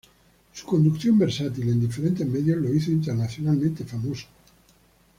Su conducción versátil en diferentes medios lo hizo internacionalmente famoso.